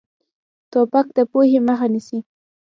توپک د پوهې مخه نیسي.